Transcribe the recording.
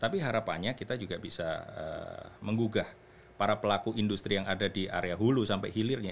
tapi harapannya kita juga bisa menggugah para pelaku industri yang ada di area hulu sampai hilirnya